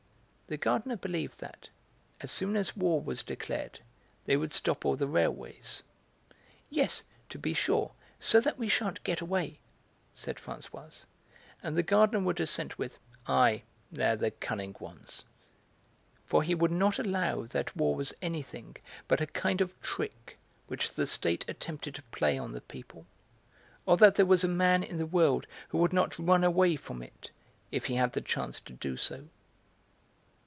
The gardener believed that, as soon as war was declared, they would stop all the railways. "Yes, to be sure; so that we sha'n't get away," said Françoise. And the gardener would assent, with "Ay, they're the cunning ones," for he would not allow that war was anything but a kind of trick which the state attempted to play on the people, or that there was a man in the world who would not run away from it if he had the chance to do so.